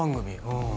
うん